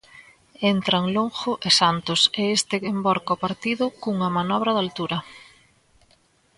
Entran Longo e Santos e este envorca o partido cunha manobra de altura.